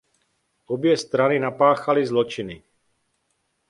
Obě strany napáchaly zločiny.